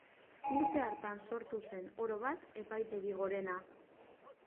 Urte hartan sortu zen, orobat, Epaitegi Gorena.